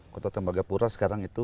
kota tembagapura sekarang itu